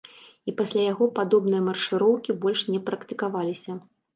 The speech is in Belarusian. І пасля яго падобныя маршыроўкі больш не практыкаваліся.